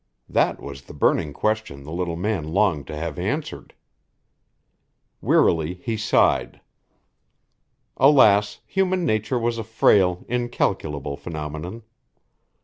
That was the burning question the little man longed to have answered. Wearily he sighed. Alas, human nature was a frail, incalculable phenomenon.